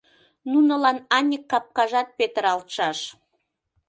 Нунылан аньык капкажат петыралтшаш.